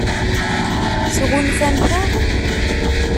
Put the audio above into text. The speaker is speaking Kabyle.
Tɣunfamt-aɣ?